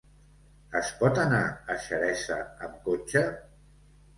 Es pot anar a Xeresa amb cotxe?